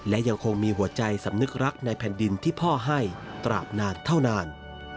และยังคงมีหัวใจสำนึกรักในแผ่นดินที่พ่อให้ตราบนานเท่านาน